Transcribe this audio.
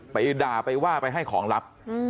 ไปด่าไปว่าไปให้ของลับ